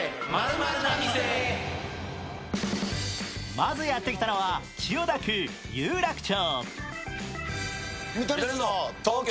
まずやって来たのは千代田区有楽町。